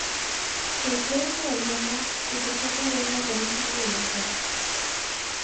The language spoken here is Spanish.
Se cree por algunos que se trata de un mecanismo de defensa.